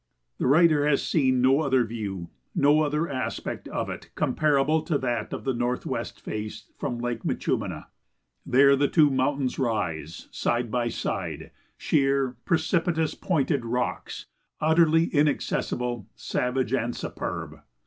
The writer has seen no other view, no other aspect of it, comparable to that of the northwest face from Lake Minchúmina. There the two mountains rise side by side, sheer, precipitous, pointed rocks, utterly inaccessible, savage, and superb.